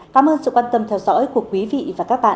cảm ơn sự quan tâm theo dõi của quý vị và các bạn